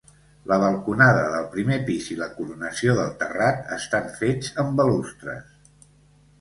La balconada del primer pis i la coronació del terrat estan fets amb balustres.